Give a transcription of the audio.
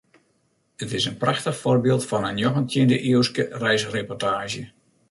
It is in prachtich foarbyld fan in njoggentjinde-iuwske reisreportaazje.